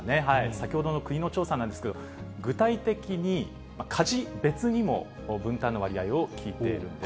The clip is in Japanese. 先ほどの国の調査なんですけど、具体的に、家事別にも分担の割合を聞いているんです。